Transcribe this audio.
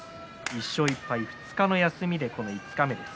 １勝１敗２日の休みで五日目です。